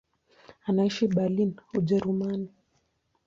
Anaishi Berlin, Ujerumani.